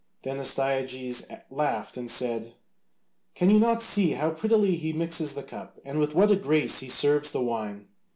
Then Astyages laughed and said, "Can you not see how prettily he mixes the cup, and with what a grace he serves the wine?"